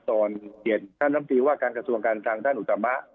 ตอนเกียรติธรรมดีว่าการกระทรวงการทางท่านอุตสำมะ